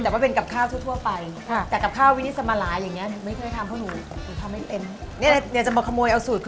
ไม่ปล่อยก็ทำไงแม่ก็นอนรอ